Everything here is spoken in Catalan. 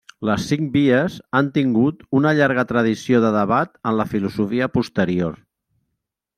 Les cinc vies han tingut una llarga tradició de debat en la filosofia posterior.